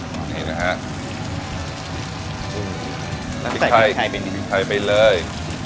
พริกไทยไปเลย